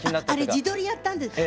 ああれ自撮りやったんで。